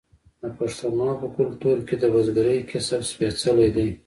د پښتنو په کلتور کې د بزګرۍ کسب سپیڅلی دی.